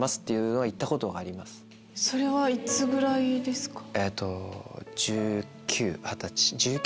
それはいつぐらいですか？